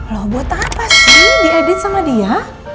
loh buat apa sih diedit sama dia